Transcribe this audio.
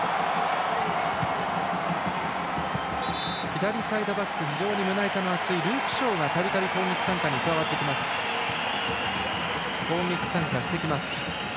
左サイドバック非常に胸板の厚いルーク・ショーがたびたび攻撃参加してきます。